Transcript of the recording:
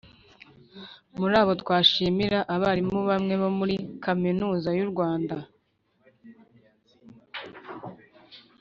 muri abo twashimira abarimu bamwe bo muri kaminuza y'u rwanda